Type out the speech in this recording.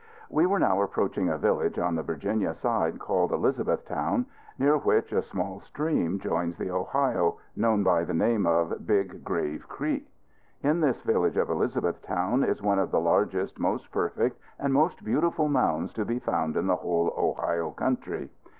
We were now approaching a village on the Virginia side called Elizabethtown, near which a small stream joins the Ohio, known by the name of Big Grave Creek. In this village of Elizabethtown is one of the largest, most perfect, and most beautiful mounds to be found in the whole Ohio country.